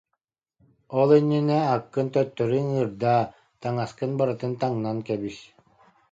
Ол иннинэ аккын төттөрү ыҥыырдаа, таҥаскын барытын таҥнан кэбис